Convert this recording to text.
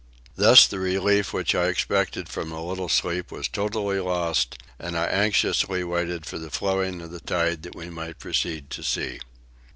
Thus the relief which I expected from a little sleep was totally lost and I anxiously waited for the flowing of the tide that we might proceed to sea.